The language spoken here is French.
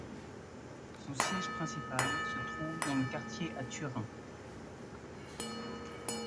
Son siège principal se trouve dans le quartier à Turin.